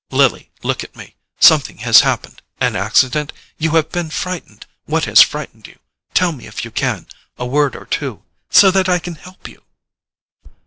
"Lily, look at me! Something has happened—an accident? You have been frightened—what has frightened you? Tell me if you can—a word or two—so that I can help you."